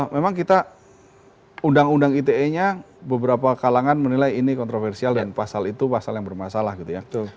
memang kita undang undang ite nya beberapa kalangan menilai ini kontroversial dan pasal itu pasal yang bermasalah gitu ya